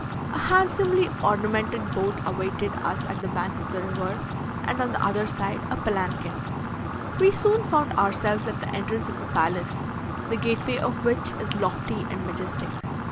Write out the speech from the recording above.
A handsomely ornamented boat awaited us at the bank of the river, and on the other side a palanquin. We soon found ourselves at the entrance of the palace, the gateway of which is lofty and majestic.